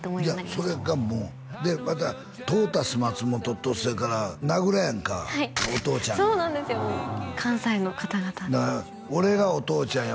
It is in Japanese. それがもうでまたトータス松本とそれから名倉やんかお父ちゃんがそうなんですよ関西の方々だから「俺がお父ちゃんや」